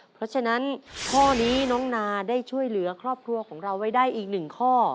เพราะฉะนั้นข้อนี้น้องนาได้ช่วยเหลือครอบครัวของเราไว้ได้อีกหนึ่งข้อ